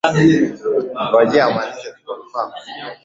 ndege wahamaji kutoka katika sehemu mbalimbali duniani katika msimu husika